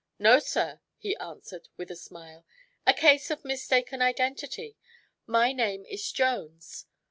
"No, sir," he answered with a smile. "A case of mistaken identity. My name is Jones."